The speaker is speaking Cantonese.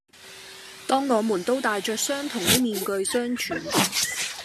當我們都帶着相同的面具相處